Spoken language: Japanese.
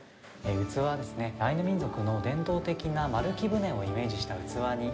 器はですね、アイヌ民族の伝統的な丸木舟をイメージした器に。